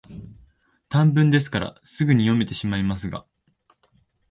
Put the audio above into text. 短文ですから、すぐに読めてしまいますが、